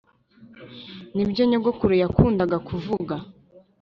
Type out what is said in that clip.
(nibyo nyogokuru yakundaga kuvuga)